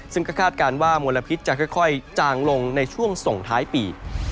ซึ่งก็คาดการณ์ว่ามลพิษจะค่อยจางลงในช่วงส่งท้ายปี